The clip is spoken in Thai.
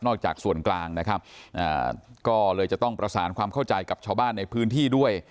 จากส่วนกลางนะครับก็เลยจะต้องประสานความเข้าใจกับชาวบ้านในพื้นที่ด้วย